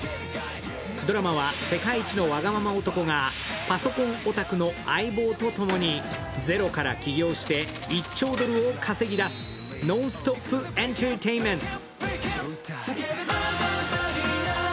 ドラマは、世界一のわがまま男がパソコンオタクの相棒とともにゼロから起業して１兆ドルを稼ぎだすノンストップ・エンターテインメント。